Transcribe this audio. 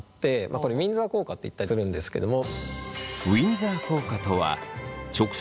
これウィンザー効果って言ったりするんですけども。